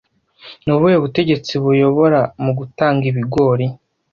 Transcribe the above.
Ni ubuhe butegetsi buyobora mu gutanga ibigori